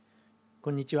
こんにちは。